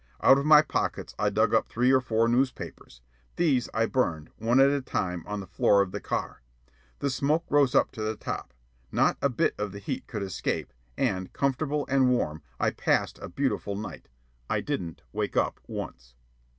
Out of my pockets I dug up three or four newspapers. These I burned, one at a time, on the floor of the car. The smoke rose to the top. Not a bit of the heat could escape, and, comfortable and warm, I passed a beautiful night. I didn't wake up once.